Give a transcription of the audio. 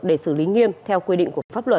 để xử lý nghiêm theo quy định của pháp luật